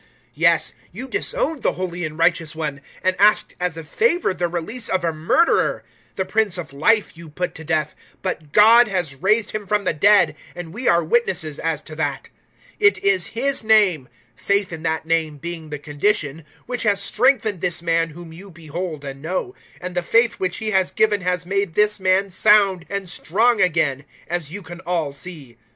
003:014 Yes, you disowned the holy and righteous One, and asked as a favour the release of a murderer. 003:015 The Prince of Life you put to death; but God has raised Him from the dead, and we are witnesses as to that. 003:016 It is His name faith in that name being the condition which has strengthened this man whom you behold and know; and the faith which He has given has made this man sound and strong again, as you can all see.